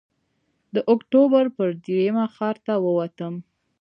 د اکتوبر پر درېیمه ښار ته ووتلم.